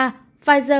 pfizer biontech sản xuất